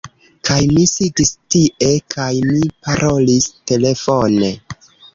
Kaj mi sidis tie kaj mi parolis telefone.